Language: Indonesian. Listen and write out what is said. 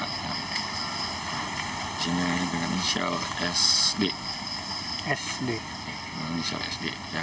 disini dengan nisial sd